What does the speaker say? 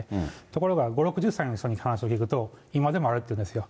ところが５、６０歳の方に聞くと、今でもあるというんですよ。